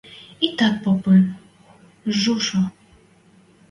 – Итӓт попы, Жужо...